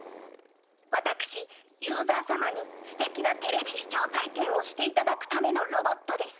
私ユーザー様にすてきなテレビ視聴体験をして頂くためのロボットです。